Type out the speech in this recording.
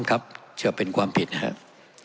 ครับเชื่อเป็นความผิดนะครับ